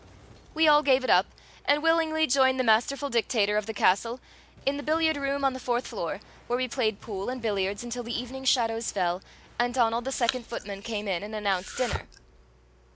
We all gave it up, and willingly joined the masterful dictator of the castle in the billiard room on the fourth floor, where we played pool and billiards until the evening shadows fell and Donald the second footman came in and announced dinner.